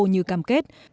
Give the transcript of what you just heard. như cam kết